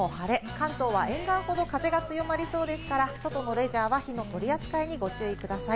関東は、沿岸ほど風が強まりそうですから、外のレジャーは火の取り扱いにご注意ください。